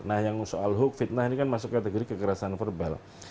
nah yang soal huk fitnah ini kan masuk kategori kekerasan verbal